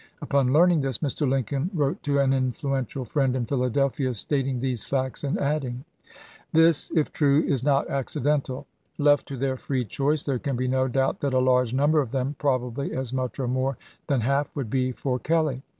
Upon learning this, Mr. Lincoln wrote to an influential friend in Philadelphia, stat ing these facts and adding :" This, if true, is not accidental. Left to their free choice, there can be no doubt that a large number of them, probably as much or more than half, would be for Kelley.